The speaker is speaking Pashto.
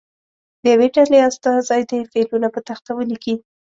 د یوې ډلې استازی دې فعلونه په تخته ولیکي.